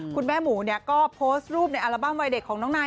คุณแม่หมูเนี่ยก็โพสต์รูปในอัลบั้มวัยเด็กของน้องนาย